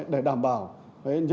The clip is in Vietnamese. để đảm bảo những vấn đề còn lại